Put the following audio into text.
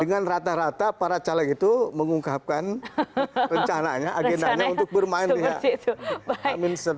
dengan rata rata para caleg itu mengungkapkan rencananya agenanya untuk bermain ya